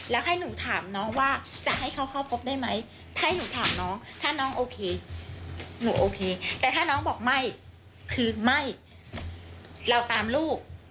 แล้วให้หนูถามน้องว่าจะให้เขาเข้าพบได้ไหมถ้าหนูถามน้องถ้าน้องโอเคหนูโอเคแต่ถ้าน้องบอกไม่คือไม่เราตามลูก